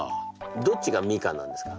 どっちがみかんなんですか？